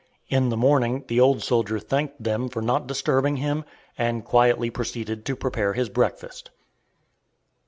In the morning the old soldier thanked them for not disturbing him, and quietly proceeded to prepare his breakfast.